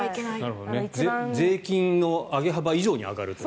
税金の上げ幅以上に上がる。